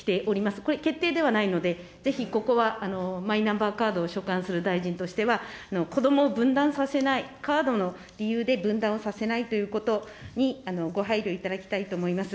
これ、決定ではないので、ぜひここはマイナンバーカードを所管する大臣としては、子どもを分断させない、カードの理由で分断をさせないということにご配慮いただきたいと思います。